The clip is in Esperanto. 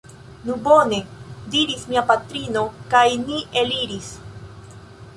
Nu bone! diris mia patrino, kaj ni eliris.